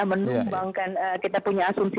menumbangkan kita punya asumsi